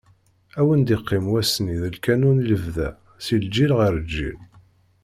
Ad wen-d-iqqim wass-nni d lqanun i lebda, si lǧil ɣer lǧil.